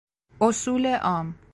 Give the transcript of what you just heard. اصول عام